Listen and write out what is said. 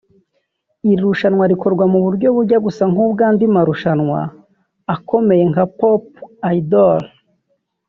Iri rushanwa rikorwa mu buryo bujya gusa nk’ubw’andi marushanwa akomeye nka Pop Idol